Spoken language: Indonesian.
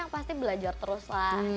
kalau ghea sendiri pasti belajar terus lah